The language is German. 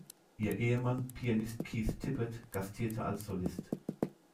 Ihr Ehemann, Pianist Keith Tippett, gastierte als Solist.